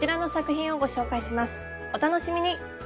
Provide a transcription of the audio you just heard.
お楽しみに！